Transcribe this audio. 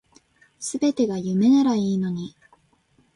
全てが夢ならいいのに